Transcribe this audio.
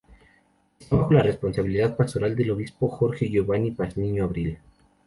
Esta bajo la responsabilidad pastoral del obispo Jorge Giovanny Pazmiño Abril.